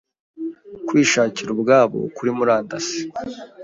kwishakira ubwabo kuri murandasi